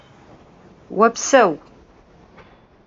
Vopseu!